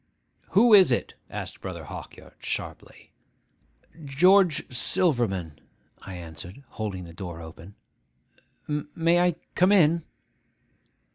'Who is it?' asked Brother Hawkyard, sharply. 'George Silverman,' I answered, holding the door open. 'May I come in?